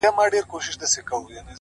خدای په ژړا دی! خدای پرېشان دی!